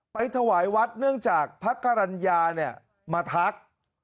ถวายวัดเนื่องจากพระกรรณญาเนี่ยมาทัก